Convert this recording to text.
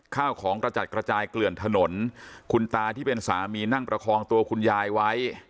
ข้าวของกระจัดกระจายเกลื่อนถนนคุณตาที่เป็นสามีนั่งประคองตัวคุณยายไว้